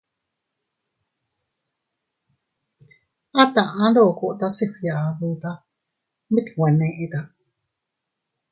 At a aʼa ndokota se fgiaduta, mit nwe neʼta.